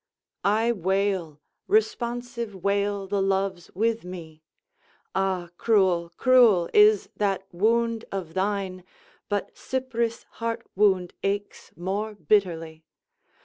I wail responsive wail the Loves with me. Ah, cruel, cruel is that wound of thine, But Cypris' heart wound aches more bitterly.